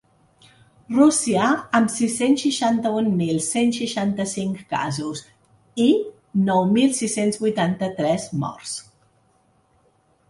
Rússia, amb sis-cents seixanta-un mil cent seixanta-cinc casos i nou mil sis-cents vuitanta-tres morts.